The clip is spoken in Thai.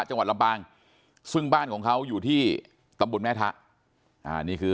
จังหวัดลำปางซึ่งบ้านของเขาอยู่ที่ตำบลแม่ทะนี่คือ